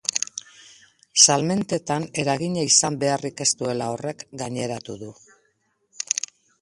Salmentetan eragina izan beharrik ez duela horrek gaineratu du.